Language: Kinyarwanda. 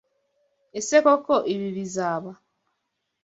Ese koko ibi bizaba?